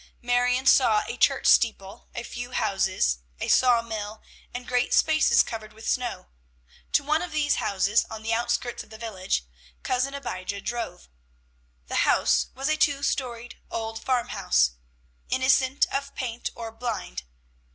Marion saw a church steeple, a few houses, a sawmill, and great spaces covered with snow. To one of these houses, on the outskirts of the village, Cousin Abijah drove. The house was a two storied old farmhouse, innocent of paint or blind.